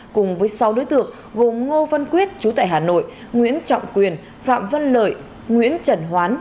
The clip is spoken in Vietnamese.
cùng với sáu đối tượng gồm ngô văn quyết chú tại hà nội nguyễn trọng quyền phạm văn lợi nguyễn trần hoán